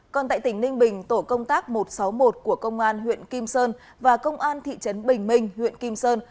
còn tại tỉnh ninh bình tổ công tác một trăm sáu mươi một của công an huyện kim sơn và công an thị trấn bình minh huyện kim sơn